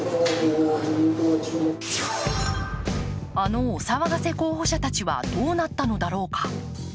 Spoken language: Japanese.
あのお騒がせ候補者たちはどうなったのだろうか。